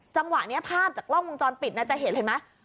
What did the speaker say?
จังหวะนี้ภาพจากกล้องวงจรปิดจะเห็นเห็นไหม